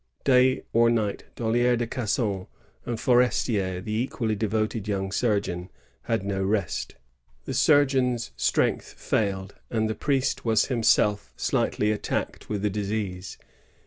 Day or night, DoUier de Casson and Forestier, the equally devoted young suigeon, had no rest. The surgeon^s strength failed, and the priest was himself slightly attacked with the disease.